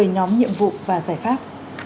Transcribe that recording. một mươi nhóm nhiệm vụ và giải pháp